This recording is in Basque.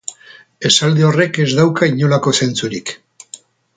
Esaldi horrek ez dauka inolako zentzurik.